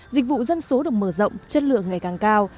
dịch vụ dân số được mở rộng chất lượng ngày càng cao